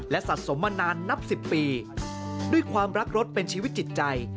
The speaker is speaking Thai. และสะสมมานานนับ๑๐ปีด้วยความรักรถเป็นชีวิตจิตใจ